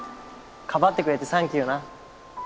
かばってくれてサンキューな。